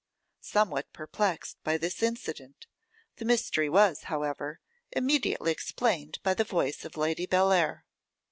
Somewhat perplexed by this incident, the mystery was, however, immediately explained by the voice of Lady Bellair.